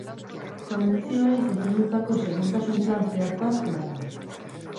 Komertzioei zuzendutako segurtasun plan zehatz bat landu.